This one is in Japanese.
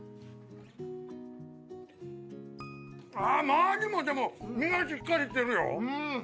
真アジもでも身がしっかりしてるよ。